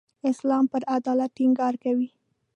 اسلام پر عدالت ټینګار کوي.